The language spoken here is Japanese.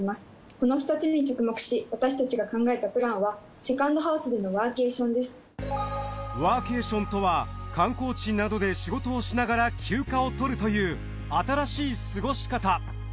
この２つに着目し私たちが考えたプランはワーケーションとは観光地などで仕事をしながら休暇をとるという新しい過ごし方。